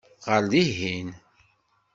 Ɣer dihin!